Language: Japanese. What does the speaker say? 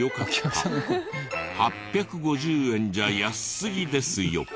「８５０円じゃ安すぎですよ」